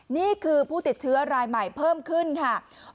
นี่คือผู้ติดเชื้อรายใหม่เพิ่มขึ้นค่ะ